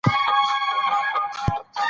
منی د افغانستان د جغرافیې بېلګه ده.